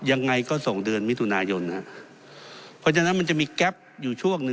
ยังไงก็ส่งเดือนมิถุนายนฮะเพราะฉะนั้นมันจะมีแก๊ปอยู่ช่วงหนึ่ง